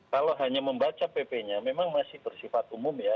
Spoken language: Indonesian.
kalau hanya membaca pp nya memang masih bersifat umum ya